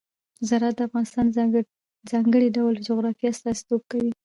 زراعت د افغانستان د ځانګړي ډول جغرافیه استازیتوب کوي.